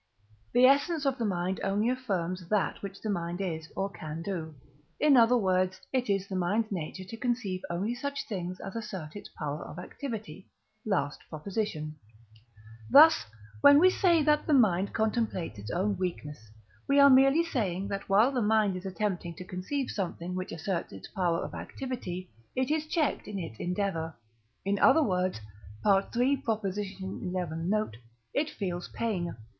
The essence of the mind only affirms that which the mind is, or can do; in other words, it is the mind's nature to conceive only such things as assert its power of activity (last Prop.). Thus, when we say that the mind contemplates its own weakness, we are merely saying that while the mind is attempting to conceive something which asserts its power of activity, it is checked in its endeavour in other words (III. xi. note), it feels pain.